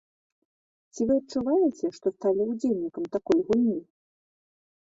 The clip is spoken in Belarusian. Ці вы адчуваеце, што сталі ўдзельнікам такой гульні?